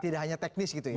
tidak hanya teknis gitu ya